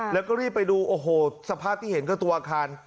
แล้วก็รีบไปดูโอ้โหสภาพที่เห็นก็ตัวอาคาร